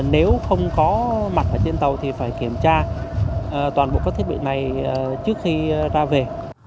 nếu không có mặt ở trên tàu thì phải kiểm tra toàn bộ các thiết bị này trước khi ra về